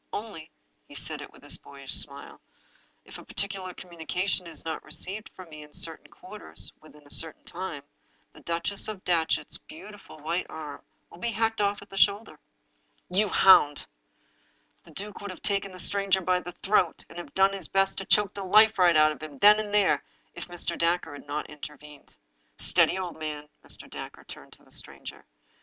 Only "— he said it with his boyish smile —" if a particular communication is not received from me in certain quarters within a certain time the Duchess of Datchet's beautiful white arm will be hacked off at the shoulder." "You hound!" The duke would have taken the stranger by the throat, and have done his best to choke the life right out of him then and there, if Mr. Dacre had not intervened. " Steady, old man I " Mr. Dacre turned to the stranger.